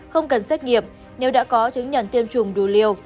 không cần xét nghiệm nếu đã có chứng nhận tiêm chủng đủ liều